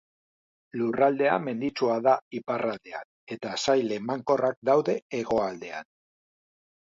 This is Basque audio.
Lurraldea menditsua da iparraldean, eta sail emankorrak daude hegoaldean.